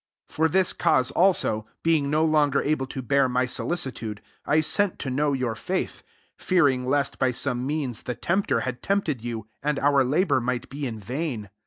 5 For this cause, also, 332 1 THESSALONIANS IV. being no longer able to bear my solicitude^ I sent to know your faith ; fearing lest by 86me means the tempter had tempted you, and our labour might be in vain.